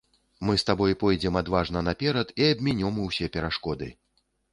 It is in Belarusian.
Мы з табой пойдзем адважна наперад і абмінём усе перашкоды.